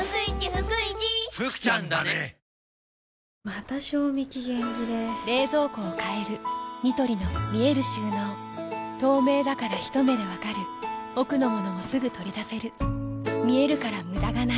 また賞味期限切れ冷蔵庫を変えるニトリの見える収納透明だからひと目で分かる奥の物もすぐ取り出せる見えるから無駄がないよし。